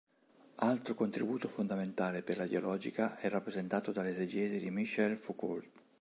Altro contributo fondamentale per la dialogica è rappresentato dall’esegesi di Michel Foucault.